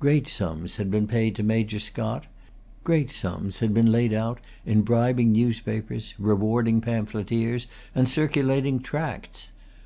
Great sums had been paid to Major Scott. Great sums had been laid out in bribing newspapers, rewarding pamphleteers, and circulating tracts.